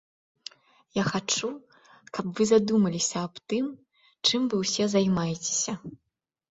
Я хачу, каб вы задумаліся аб тым, чым вы ўсе займаецеся.